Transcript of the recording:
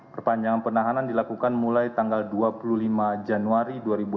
perpanjangan penahanan dilakukan mulai tanggal dua puluh lima januari dua ribu delapan belas